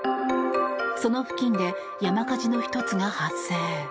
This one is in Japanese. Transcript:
その付近で山火事の１つが発生。